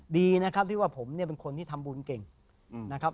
ดีนะครับที่ว่าผมเนี่ยเป็นคนที่ทำบุญเก่งนะครับ